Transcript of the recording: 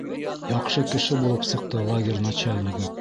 Яҡшы кеше булып сыҡты лагерь начальнигы.